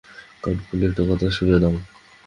কান খুলে একটা কথা শুনে নাও।